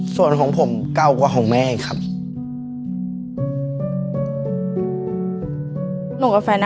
ส่วนของผมเก่ากว่าแม่